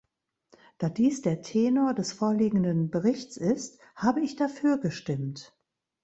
Da dies der Tenor des vorliegenden Berichts ist, habe ich dafür gestimmt.